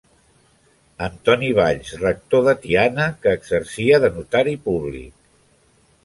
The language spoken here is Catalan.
Antoni Valls, rector de Tiana, que exercia de notari públic.